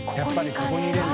ここに入れるんだ。